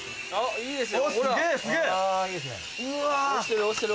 いいですね。